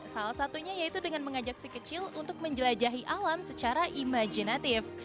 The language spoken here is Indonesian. salah satunya yaitu dengan mengajak si kecil untuk menjelajahi alam secara imajinatif